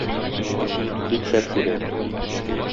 Бик шәп бүләк!